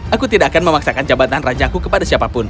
aku tidak akan memaksakan jabatan raja ku kepada siapapun